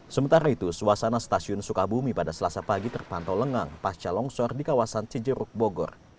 sementara itu suasana stasiun sukabumi pada selasa pagi terpantau lengang pas calong sor di kawasan cijeru bogor